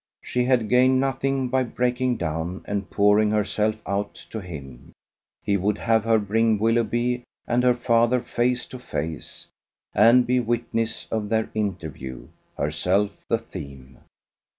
She had gained nothing by breaking down and pouring herself out to him. He would have her bring Willoughby and her father face to face, and be witness of their interview herself the theme.